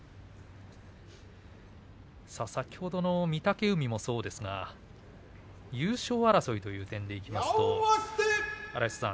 先ほどの御嶽海もそうですが優勝争いという点でいきますと荒磯さん